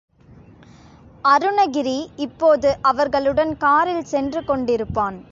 அருணகிரி இப்போது அவர்களுடன் காரில் சென்று கொண்டிருப்பான்.